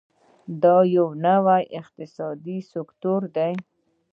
دا یو نوی اقتصادي سکتور دی.